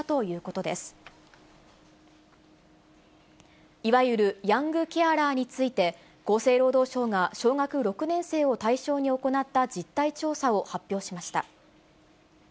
いわゆるヤングケアラーについて、厚生労働省が小学６年生を対象に行った実態調査を発表しました。